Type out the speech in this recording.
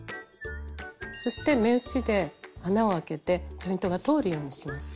そして目打ちで穴をあけてジョイントが通るようにします。